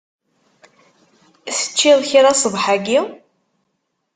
Teččiḍ kra ṣṣbeḥ-agi?